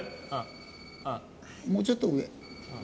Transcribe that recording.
もうちょっと上。